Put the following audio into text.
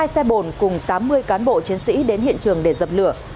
hai xe bồn cùng tám mươi cán bộ chiến sĩ đến hiện trường để dập lửa